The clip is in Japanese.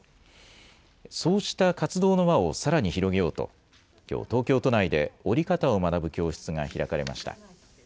そうした活動の輪をさらに広げようと、きょう、東京都内で折り方を学ぶ教室が開かれました。